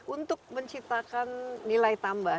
untuk menciptakan nilai tambah